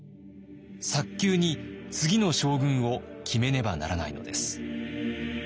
早急に次の将軍を決めねばならないのです。